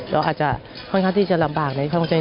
เราอาจจะค่อนข้างที่จะลำบากในข้องใจ